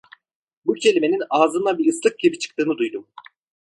Bu kelimenin ağzımdan bir ıslık gibi çıktığını duydum.